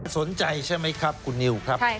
ใช่ไหมครับคุณนิวครับ